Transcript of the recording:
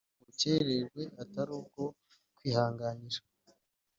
zatangaje ko ubwo bucyererwe atari ubwo kwihanganira